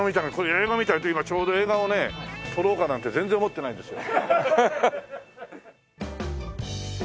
今ちょうど映画をね撮ろうかなんて全然思ってないんですよ。